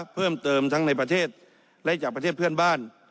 เพิ่มเติมทั้งในประเทศและจากประเทศเพื่อนบ้าน